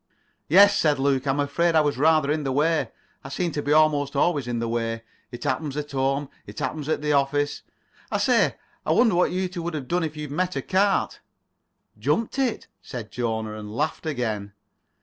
"Yes," said Luke, "I'm afraid I was rather in the way. I seem to be almost always in the way. It happens at home. It happens at the office. I say, I wonder what you two would have done if you'd met a cart?" "Jumped it," said Jona, and laughed again.